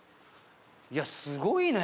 いやすごいね。